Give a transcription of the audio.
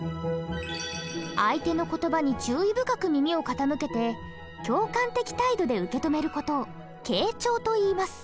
相手の言葉に注意深く耳を傾けて共感的態度で受け止める事を傾聴といいます。